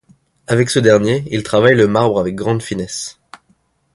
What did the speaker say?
Avec ce dernier, il travaille le marbre avec grande finesse.